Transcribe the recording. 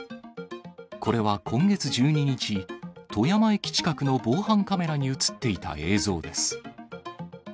これは今月１２日、富山駅近くの防犯カメラに写っていた映像です。